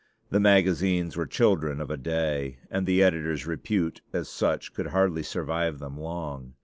The magazines were children of a day, and the editor's repute as such could hardly survive them long.